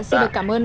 xin được cảm ơn